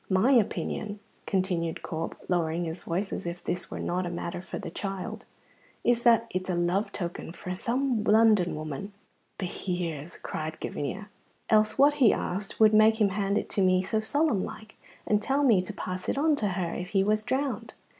"My opinion," continued Corp, lowering his voice as if this were not matter for the child, "is that it's a love token frae some London woman." "Behear's!" cried Gavinia. "Else what," he asked, "would make him hand it to me so solemn like, and tell me to pass it on to her if he was drowned?